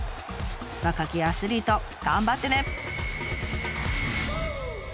若きアスリート頑張ってね！